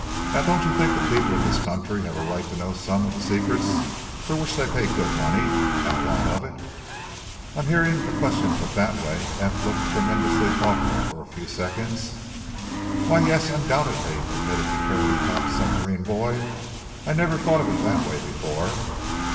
Now, don't you think the people of this country have a right to know some of the secrets for which they pay good money, and a lot of it?" On hearing the question put that way Eph looked tremendously thoughtful for a few seconds. "Why, yes, undoubtedly," admitted the carroty topped submarine boy. "I never thought of it that way before."